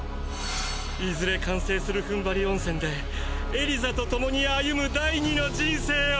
いずれ完成するふんばり温泉でエリザとともに歩む第二の人生を！！